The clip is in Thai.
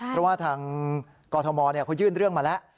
เพราะว่าทางกรทมเขายื่นเรื่องมาแล้ว